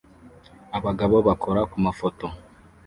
Abagabo bakora kumafoto